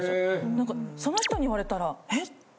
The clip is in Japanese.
なんかその人に言われたらえ。